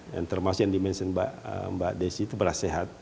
yang termasuk yang di mention mbak desya itu beras sehat